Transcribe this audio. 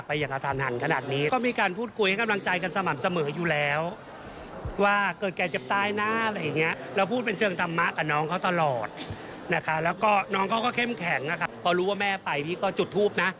พอรู้ว่าแม่ไปพี่ก็จุดทูปนะ